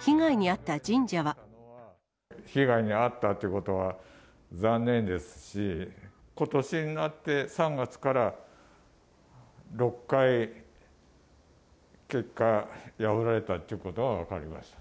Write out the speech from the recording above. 被害に遭ったということは残念ですし、ことしになって３月から６回、結果、やられたということは分かりました。